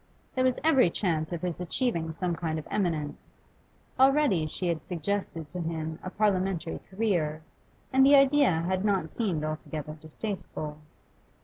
There was every chance of his achieving some kind of eminence; already she had suggested to him a Parliamentary career, and the idea had not seemed altogether distasteful.